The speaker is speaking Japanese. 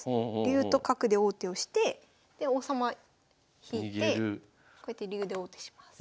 竜と角で王手をしてで王様引いてこうやって竜で王手します。